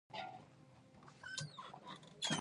موقف دا مانا، چي تاسي ته یو ځای درکول سوی يي.